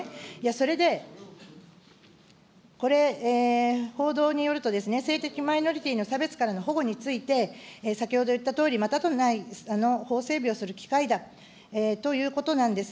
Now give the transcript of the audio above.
それで、これ、報道によるとですね、性的マイノリティーの差別からの保護について、先ほど言ったとおり、またとない法整備をする機会だということなんです。